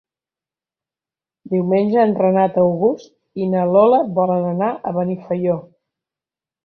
Diumenge en Renat August i na Lola volen anar a Benifaió.